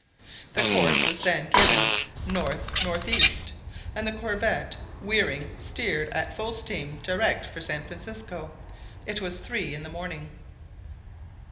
The course was then given north northeast, and the corvette, wearing, steered at full steam direct for San Francisco. It was three in the morning.